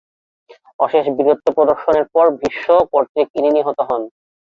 অশেষ বীরত্ব প্রদর্শনের পর ভীষ্ম কর্তৃক ইনি নিহত হন।